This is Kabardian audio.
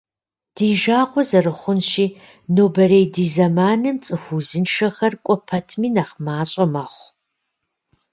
Ди жагъуэ зэрыхъунщи, нобэрей ди зэманым цӏыху узыншэхэр кӏуэ пэтми нэхъ мащӏэ мэхъу.